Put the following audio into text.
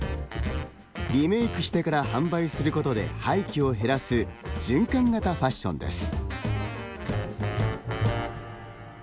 リメイクしてから販売することで廃棄を減らす循環型ファッションです。